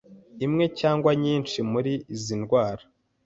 imwe cyangwa nyinshi muri izi ndwara